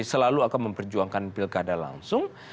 selalu akan memperjuangkan pilkada langsung